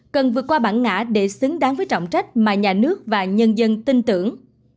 cần vượt qua bản ngã để xứng đáng với trọng trách mà nhà nước và nhân dân tin tưởng